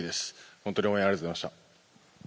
本当に応援ありがとうございました。